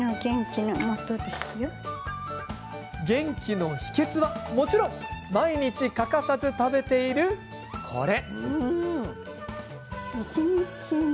元気の秘けつは、もちろん毎日欠かさず食べている、これ。